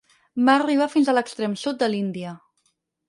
Va arribar fins a l'extrem sud de l'Índia.